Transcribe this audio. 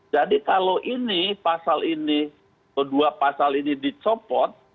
jadi kalau ini pasal ini kedua pasal ini dicopot